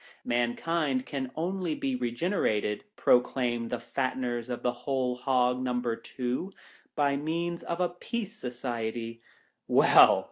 Mankind can only be regenerated, proclaim the fatteners of the Whole Hog Number Two, by means of a Peace Society. Well